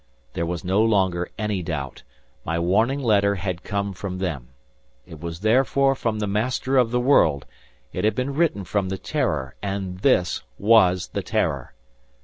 There was no longer any doubt, my warning letter had come from them. It was therefore from the "Master of the World"; it had been written from the "Terror" and this was the "Terror."